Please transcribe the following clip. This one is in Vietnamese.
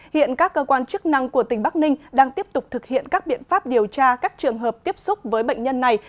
hiện các cơ quan chức năng của tỉnh bắc ninh đang tiếp tục thực hiện các biện pháp điều tra các trường hợp tiếp xúc với bệnh nhân này